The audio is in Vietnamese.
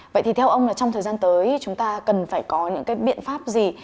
vậy thì theo ông là trong thời gian tới chúng ta cần phải có những cái biện pháp gì